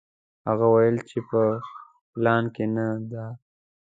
هغه وویل چې په پلان کې نه ده.